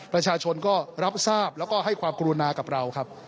ประชาชนก็รับทราบแล้วก็ให้ความกรุณากับเราครับ